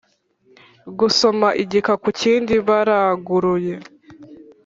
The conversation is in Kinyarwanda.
gusoma igika ku kindi baranguruye